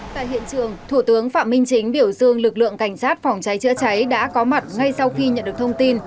tại hiện trường thủ tướng phạm minh chính biểu dương lực lượng cảnh sát phòng cháy chữa cháy đã có mặt ngay sau khi nhận được thông tin